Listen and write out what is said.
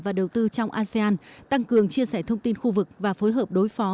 và đầu tư trong asean tăng cường chia sẻ thông tin khu vực và phối hợp đối phó